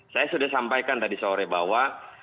saya sudah sampaikan tadi sore bahwa